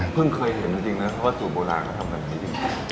เพิ่งเคยเห็นจริงจริงเนอะเพราะว่าจูบโบราณก็ทำแบบนี้